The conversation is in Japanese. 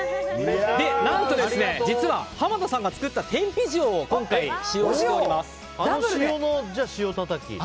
何と実は浜田さんが作った天日塩を今回、使用しております。